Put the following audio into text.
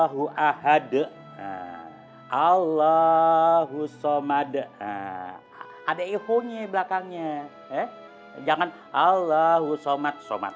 huah ad dha allahu shalmat ada ikhlasnya belakangnya jangan allah shalmat shalmat